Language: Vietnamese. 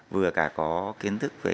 vừa cả có kiến thức về